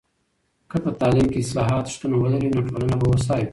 که په تعلیم کې اصلاحات شتون ولري، نو ټولنه به هوسا وي.